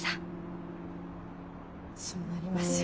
そうなりますよ。